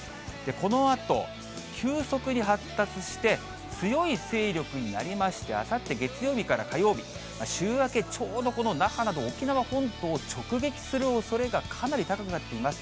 このあと急速に発達して、強い勢力になりまして、あさって月曜日から火曜日、週明け、ちょうどこの那覇など、沖縄本島を直撃するおそれがかなり高くなっています。